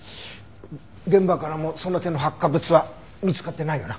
現場からもその手の発火物は見つかってないかな？